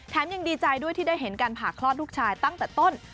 ยังดีใจด้วยที่ได้เห็นการผ่าคลอดลูกชายตั้งแต่ต้น